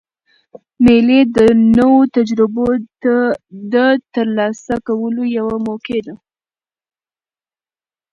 مېلې د نوو تجربو د ترلاسه کولو یوه موقع يي.